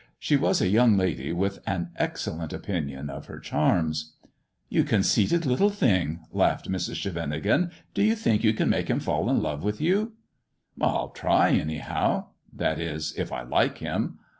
She was a young lady with an excellent opinion of her charms. "You conceited little thing," laughed Mrs. Scheveningen, " do you think you can make him fall in love with you 1 "" I'll try, anyhow ! That is, if I like him.